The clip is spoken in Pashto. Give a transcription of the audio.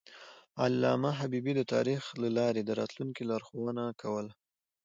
علامه حبیبي د تاریخ له لارې د راتلونکي لارښوونه کوله.